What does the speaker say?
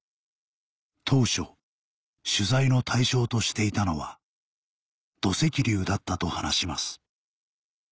当初取材の対象としていたのは土石流だったと話します